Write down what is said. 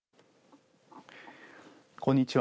こんにちは。